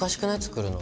作るの。